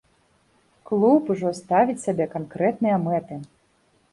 Клуб ужо ставіць сабе канкрэтныя мэты.